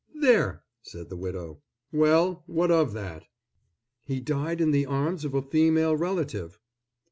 "There!" said the widow. "Well, what of that?" "He died in the arms of a female relative."